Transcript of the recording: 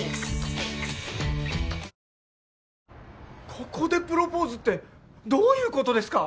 ここでプロポーズってどういうことですか！